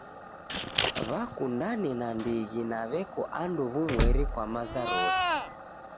W'akundane nandighi na w'eko andu w'umweri kwa maza rose.